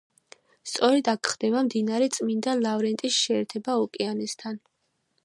სწორედ აქ ხდება მდინარე წმინდა ლავრენტის შეერთება ოკეანესთან.